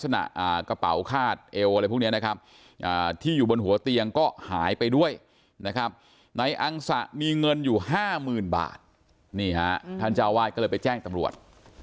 นะครับในอังสะมีเงินอยู่ห้าหมื่นบาทนี่ฮะท่านเจ้าวาดก็เลยไปแจ้งตำรวจ